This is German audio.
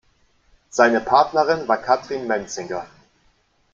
Seine Partnerin war Kathrin Menzinger.